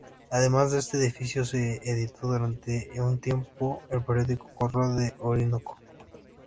Además, en este edificio se editó durante un tiempo el periódico "Correo del Orinoco".